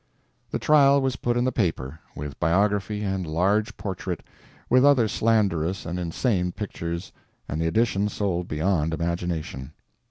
The trial was put in the paper, with biography and large portrait, with other slanderous and insane pictures, and the edition sold beyond imagination.